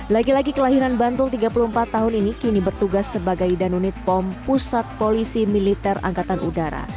laki laki kelahiran bantul tiga puluh empat tahun ini kini bertugas sebagai danunit pom pusat polisi militer angkatan udara